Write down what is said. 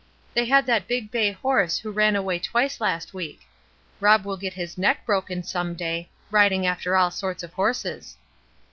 They had that big bay horse who ran away twice last week. Rob will get his neck broken some day, riding after all sorts of horses."